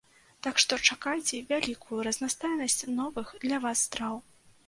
Так што чакайце вялікую разнастайнасць новых для вас страў.